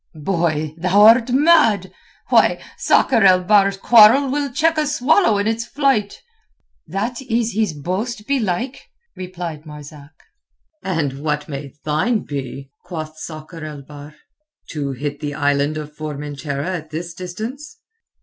"Boy, thou'rt mad! Why, Sakr el Bahr's quarrel will check a swallow in its flight." "That is his boast, belike," replied Marzak. "And what may thine be?" quoth Sakr el Bahr. "To hit the Island of Formentera at this distance?"